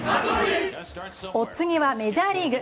お次はメジャーリーグ。